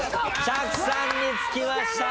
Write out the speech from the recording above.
釈さんにつきました。